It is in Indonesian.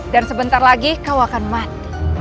dan sebentar lagi kau akan mati